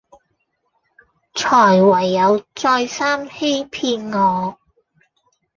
才唯有再三欺騙我